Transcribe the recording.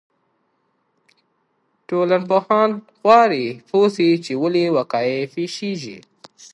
ټولنپوهان غواړي پوه سي چې ولې وقایع پېښیږي.